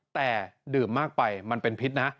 แต่ดื่มมากไปมันเป็นพิษนะ